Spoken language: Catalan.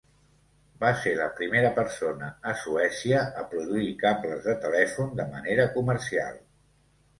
Va ser la primera persona a Suècia a produir cables de telèfon de manera comercial.